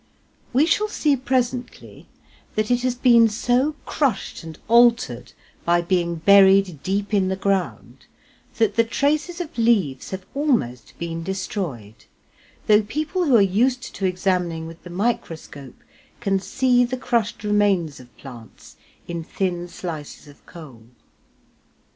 We shall see presently that it has been so crushed and altered by being buried deep in the ground that the traces of leaves have almost been destroyed, though people who are used to examining with the microscope, can see the crushed remains of plants in thin slices of coal.